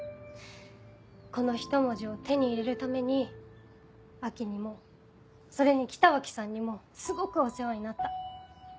この一文字を手に入れるために亜季にもそれに北脇さんにもすごくお世話になった。